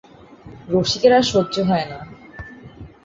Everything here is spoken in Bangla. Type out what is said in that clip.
রসিকের আর সহ্য হয় না।